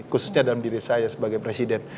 khususnya dalam diri saya sebagai presiden